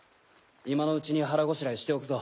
今のうちに腹ごしらえしておくぞ。